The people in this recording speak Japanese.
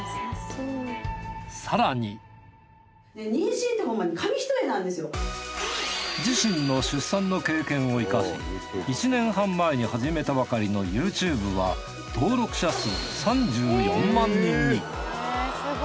更に自身の出産の経験を生かし１年半前に始めたばかりのＹｏｕＴｕｂｅは登録者数３４万人に。